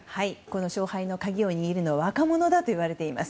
勝敗の鍵を握るのは若者だといわれています。